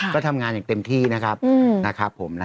ก็ทำงานอย่างเต็มที่นะครับผม